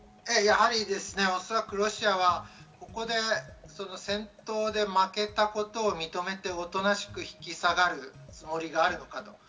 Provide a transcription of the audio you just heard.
やはりおそらくロシアは、ここで戦闘で負けたことを認めておとなしく引き下がるつもりがあるのかと。